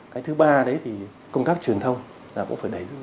cái thứ ba đấy thì công tác truyền thông là cũng phải đầy rất mạnh